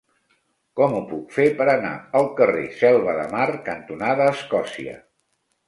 Com ho puc fer per anar al carrer Selva de Mar cantonada Escòcia?